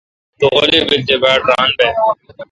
تو غیلی بیل تے باڑ ران بہ۔